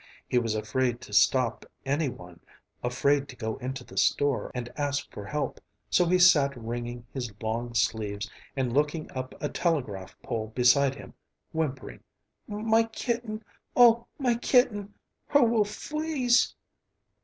He was afraid to stop any one, afraid to go into the store and ask for help, so he sat wringing his long sleeves and looking up a telegraph pole beside him, whimpering, "My kitten, oh, my kitten! Her will fweeze!"